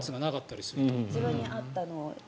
自分に合ったのを作る。